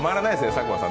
佐久間さん。